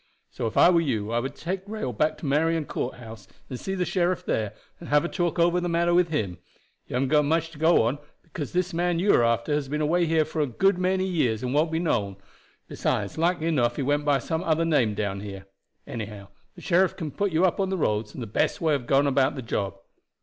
So if I were you I would take rail back to Marion Court house, and see the sheriff there and have a talk over the matter with him. You haven't got much to go upon, because this man you are after has been away from here a good many years and won't be known; besides, likely enough he went by some other name down here. Anyhow, the sheriff can put you up to the roads, and the best way of going about the job."